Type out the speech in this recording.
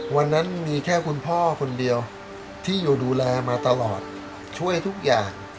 วันนั้นมีแค่คุณพ่อคนเดียวที่อยู่ดูแลมาตลอดช่วยทุกอย่าง